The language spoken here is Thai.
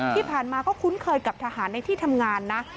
ที่ผ่านมาก็คุ้นเคยกับทหารในที่ทำงานนะ